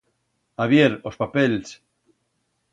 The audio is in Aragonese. A vier, os papels.